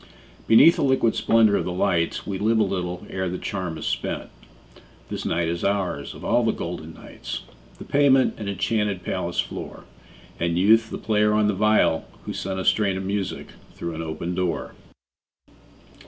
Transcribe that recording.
Beneath the liquid splendor of the lights We live a little ere the charm is spent; This night is ours, of all the golden nights, The pavement an enchanted palace floor, And Youth the player on the viol, who sent A strain of music through an open door.